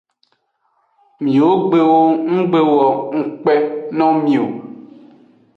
Miwo gbewo nggbe wo ngukpe no mi o.